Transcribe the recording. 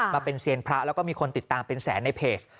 มาเป็นเซียนพระแล้วก็มีคนติดตามเป็นแสนในเพจ